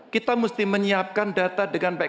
kita mesti menyiapkan data dengan baik